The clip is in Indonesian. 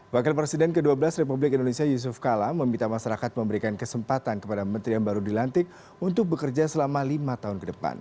wakil presiden ke dua belas republik indonesia yusuf kala meminta masyarakat memberikan kesempatan kepada menteri yang baru dilantik untuk bekerja selama lima tahun ke depan